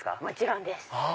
もちろんです